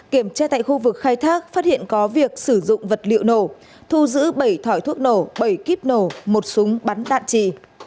kiểm tra tại khu vực khai thác phát hiện có việc sử dụng vật liệu nổ thu giữ bảy thỏi thuốc nổ bảy kíp nổ một súng bắn đạn trì